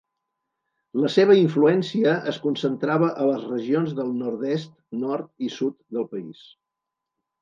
La seva influència es concentrava a les regions del nord-est, nord i sud del país.